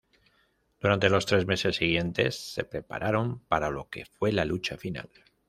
Durante los tres meses siguientes se prepararon para lo que fue la lucha final.